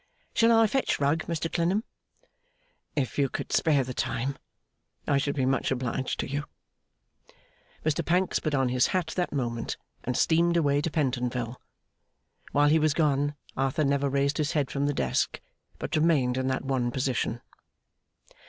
'Shall I fetch Rugg, Mr Clennam?' 'If you could spare the time, I should be much obliged to you.' Mr Pancks put on his hat that moment, and steamed away to Pentonville. While he was gone Arthur never raised his head from the desk, but remained in that one position.